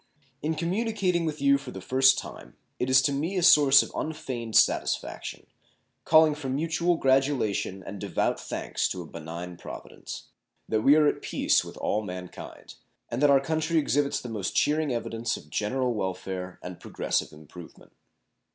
In communicating with you for the first time it is to me a source of unfeigned satisfaction, calling for mutual gratulation and devout thanks to a benign Providence, that we are at peace with all man kind, and that our country exhibits the most cheering evidence of general welfare and progressive improvement.